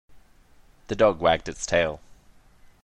The dog was wagged its tail.